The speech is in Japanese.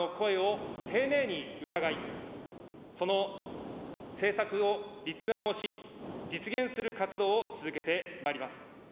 その政策を立案をし、実現する活動を続けてまいります。